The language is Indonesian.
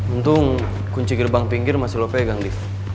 untung kunci gerbang pinggir masih lo pegang lift